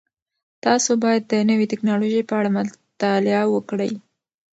تاسو باید د نوې تکنالوژۍ په اړه مطالعه وکړئ.